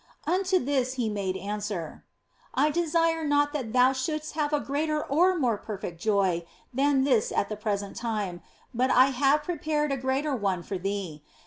Unto this He made answer, " I desire not that thou shouldst have a greater or more perfect joy than this at the present time, but I have prepared a greater one for thee.